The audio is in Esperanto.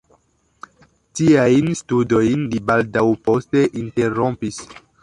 Tiajn studojn li baldaŭ poste interrompis.